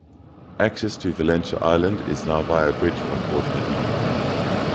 Access to Valentia Island is now via a bridge from Portmagee.